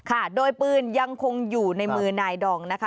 ค่ะโดยปืนยังคงอยู่ในมือนายดองนะคะ